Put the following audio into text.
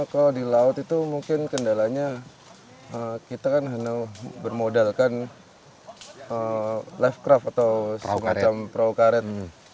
kalau di laut itu mungkin kendalanya kita kan hanya bermodalkan lifecraft atau semacam perahu karet